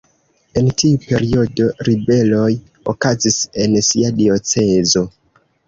En tiu periodo ribeloj okazis en sia diocezo.